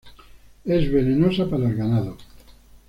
Es venenosa para el ganado.